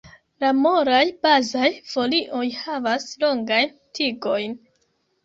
La molaj bazaj folioj havas longajn tigojn.